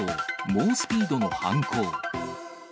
猛スピードの犯行。